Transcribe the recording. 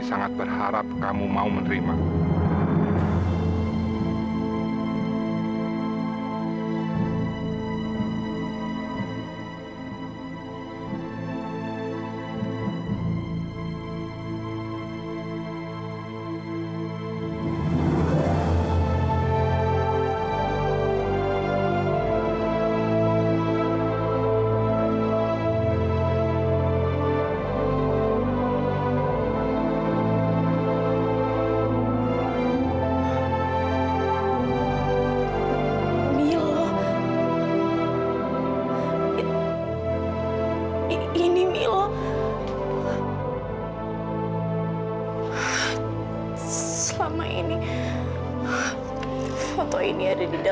sampai jumpa di video selanjutnya